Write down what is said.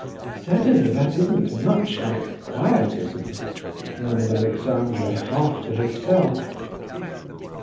"Certainly that isn't much like quietism," murmured Alexandra, half to herself.